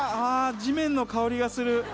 地面の香りがする。